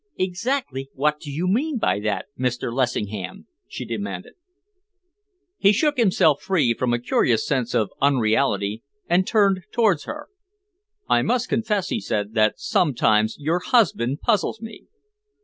"Exactly what do you mean by that, Mr. Lessingham?" she demanded. He shook himself free from a curious sense of unreality, and turned towards her. "I must confess," he said, "that sometimes your husband puzzles me."